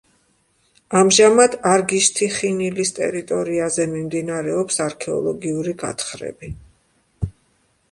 ამჟამად არგიშთიხინილის ტერიტორიაზე მიმდინარეობს არქეოლოგიური გათხრები.